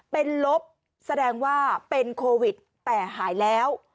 เป็นลบแสดงว่าเป็นโควิดแต่หายแล้ว